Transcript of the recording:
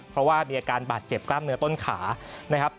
เพราะว่ามีอาการบาดเจ็บกล้ามเนื้อต้นขานะครับ